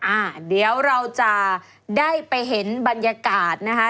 อ่าเดี๋ยวเราจะได้ไปเห็นบรรยากาศนะคะ